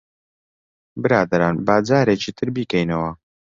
برادەران، با جارێکی تر بیکەینەوە.